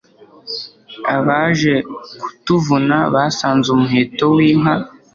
Abaje kutuvuna basanze umuheto w,inka